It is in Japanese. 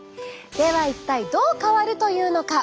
では一体どう変わるというのか？